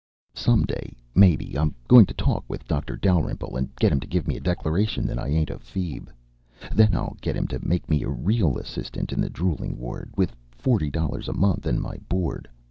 Some day, mebbe, I'm going to talk with Doctor Dalrymple and get him to give me a declaration that I ain't a feeb. Then I'll get him to make me a real assistant in the drooling ward, with forty dollars a month and my board.